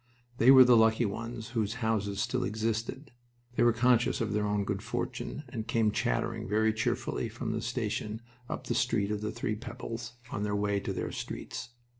They were the lucky ones whose houses still existed. They were conscious of their own good fortune and came chattering very cheerfully from the station up the Street of the Three Pebbles, on their way to their streets.